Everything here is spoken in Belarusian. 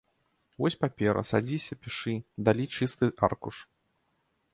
Вось папера, садзіся пішы, далі чысты аркуш.